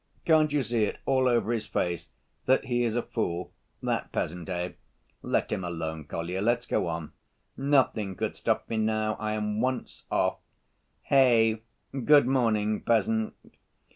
Can't you see it all over his face that he is a fool, that peasant, eh?" "Let him alone, Kolya. Let's go on." "Nothing could stop me, now I am once off. Hey, good morning, peasant!"